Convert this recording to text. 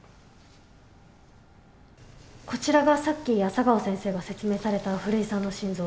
こちらがさっき朝顔先生が説明された古井さんの心臓。